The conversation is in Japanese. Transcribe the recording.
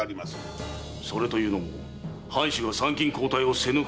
〔それというのも藩主が参勤交代をせぬからである〕